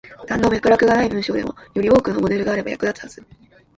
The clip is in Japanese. なんの脈絡がない文章でも、より多くのモデルがあれば役立つはず。